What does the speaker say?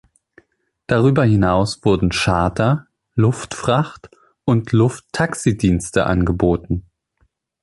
Darüber hinaus wurden Charter-, Luftfracht- und Lufttaxi-Dienste angeboten.